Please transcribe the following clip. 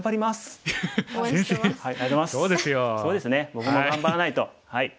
僕も頑張らないと。